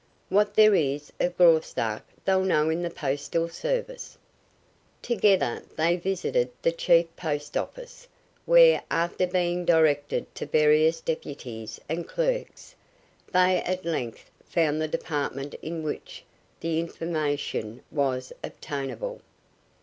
What there is of Graustark they'll know in the postal service." Together they visited the chief post office, where, after being directed to various deputies and clerks, they at length found the department in which the information was obtainable.